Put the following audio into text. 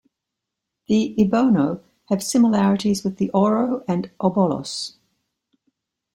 The Ibono have similarities with the Oro and Obolos.